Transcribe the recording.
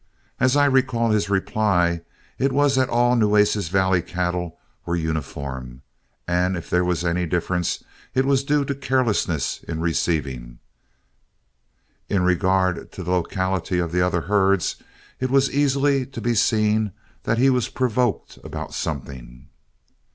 As I recall his reply, it was that all Nueces Valley cattle were uniform, and if there was any difference it was due to carelessness in receiving. In regard to the locality of the other herds, it was easily to be seen that he was provoked about something.